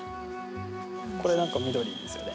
これなんかは緑ですね。